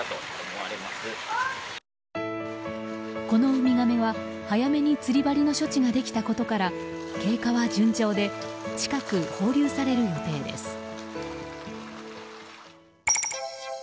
このウミガメは、早めに釣り針の処置ができたことから経過は順調で近く放流される予定です。